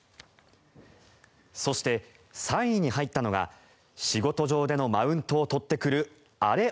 そして３位に入ったのが仕事上でのマウントを取ってくるアレ